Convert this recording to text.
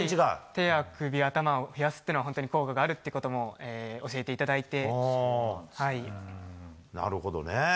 手や首、頭を冷やすのは効果があるということを教えていただいて。